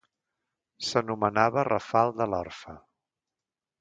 S'anomenava rafal de l'Orfe.